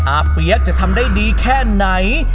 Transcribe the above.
เปี๊ยกจะทำได้ดีแค่ไหน